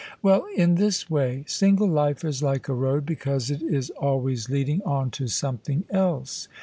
" Well, in this way, single life is like a road, because it is always leading on to something else.